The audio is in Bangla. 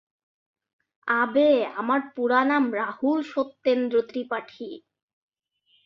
আবে আমার পুরা নাম, রাহুল সত্যেন্দ্র ত্রিপাঠি।